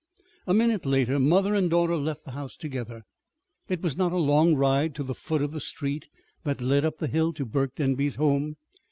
A minute later mother and daughter left the house together. It was not a long ride to the foot of the street that led up the hill to Burke Denby's home.